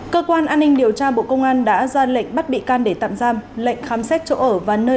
cơ quan an ninh điều tra bộ công an đã ra lệnh bắt bị can để tạm giam lệnh khám xét chỗ ở và nơi